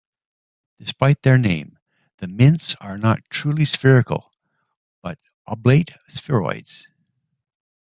Despite their name, the mints are not truly spherical but oblate spheroids.